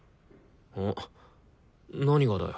ん何がだよ？